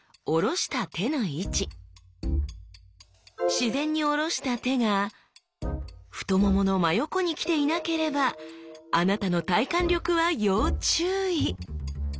自然におろした手が太ももの真横にきていなければあなたの体幹力は要注意！